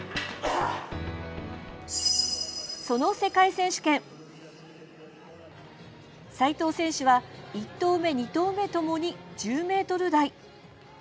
その世界選手権、齋藤選手は１投目、２投目ともに１０ｍ台。